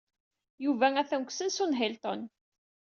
Yuba atan deg usensu n Hilton.